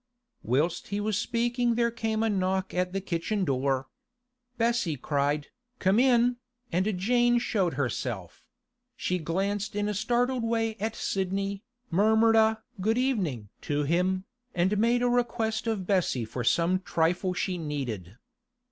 Whilst he was speaking there came a knock at the kitchen door. Bessie cried, 'Come in,' and Jane showed herself; she glanced in a startled way at Sidney, murmured a 'good evening' to him, and made a request of Bessie for some trifle she needed.